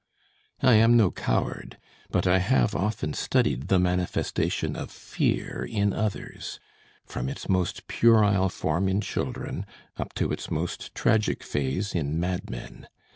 "I am no coward, but I have often studied the manifestation of fear in others, from its most puerile form in children up to its most tragic phase in madmen.